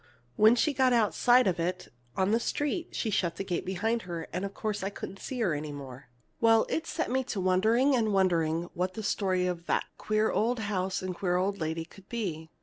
When she got outside of it, on the street, she shut the gate behind her, and of course I couldn't see her any more. "Well, it set me to wondering and wondering what the story of that queer old house and queer little old lady could be.